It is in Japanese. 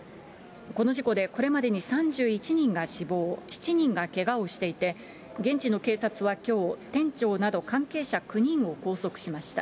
この事故でこれまでに３１人が死亡、７人がけがをしていて、現地の警察はきょう、店長など関係者９人を拘束しました。